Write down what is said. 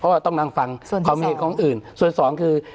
เพราะว่าต้องนั่งฟังส่วนที่สองความเห็นของอื่นส่วนที่สองคือ